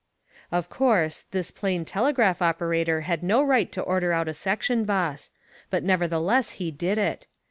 Of course, this plain telegraph operator had no right to order out a section boss; but nevertheless he did it.